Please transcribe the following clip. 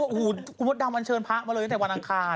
โอ้โหคุณมดดำอันเชิญพระมาเลยตั้งแต่วันอังคาร